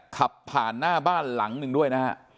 ขับผ่านหน้าบ้านหลังหนึ่งด้วยนะฮะ